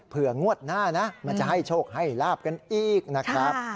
งวดหน้านะมันจะให้โชคให้ลาบกันอีกนะครับ